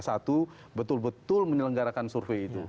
satu betul betul menyelenggarakan survei itu